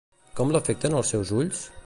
Com l'afecten els seus ulls?